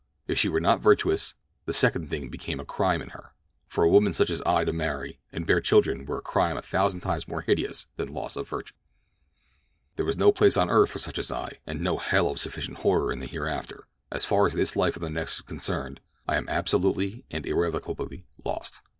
If she were not virtuous, the second thing became a crime in her—for a woman such as I to marry and bear children were a crime a thousand times more hideous than loss of virtue. "There was no place on earth for such as I, and no hell of sufficient horror in the hereafter. As far as this life or the next is concerned, I am absolutely and irrevocably lost.